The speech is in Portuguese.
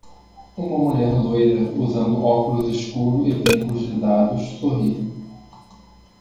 Uma mulher loira usando óculos escuros e brincos de dados sorri.